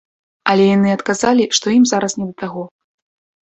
Але яны адказалі, што ім зараз не да таго.